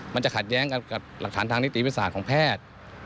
มันจะขัดแย้งกับหลักฐานทางนิติวิทยาศาสตร์ของแพทย์